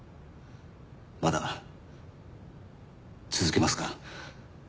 まだ続けますか？